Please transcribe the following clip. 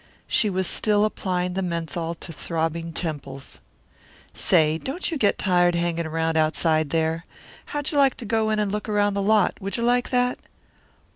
She was still applying the menthol to throbbing temples. "Say, don't you get tired hanging around outside there? How'd you like to go in and look around the lot? Would you like that?"